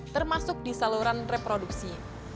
termasuk di saluran reproduksi